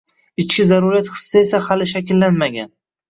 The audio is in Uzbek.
ichki zaruriyat hissi esa hali shakllanmagan.